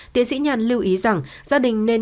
tiến sĩ nhàn lưu ý rằng gia đình nên